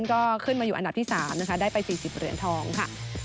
ก็ขึ้นมาอยู่อันดับที่๓นะคะได้ไป๔๐เหรียญทองค่ะ